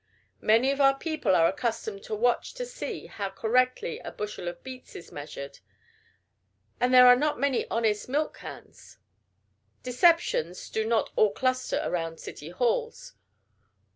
Many of our people are accustomed to watch to see how correctly a bushel of beets is measured; and there are not many honest milk cans. Deceptions do not all cluster around city halls.